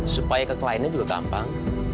supaya keklainan juga gampang